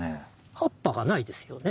葉っぱがないですよね。